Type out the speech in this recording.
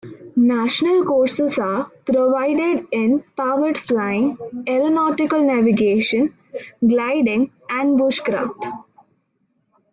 National courses are provided in powered flying, aeronautical navigation, gliding and bushcraft.